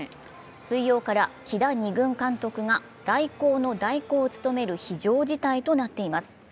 水曜から木田２軍監督が代行の代行を務める非常事態となっています。